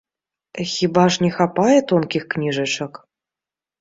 Хіба ж не хапае тонкіх кніжачак?